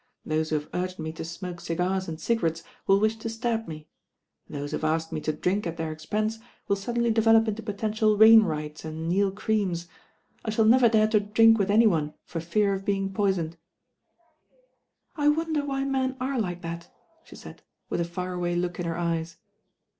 Those who have urged me to smoke ciprs and agarettes will wish to stab me. Those 7aa ^^^^f ^™« to drink at their expense will suddenly develop mto potential Wainewrights and Neal Creams. I shaU never dare to drink with any one for fear of being poisoned." "I wond : why men are like that?" she said, with a far away look in her eyes.